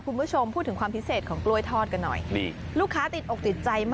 คุณผู้ชมพูดถึงความพิเศษของกล้วยทอดกันหน่อย